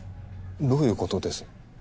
どういうことです？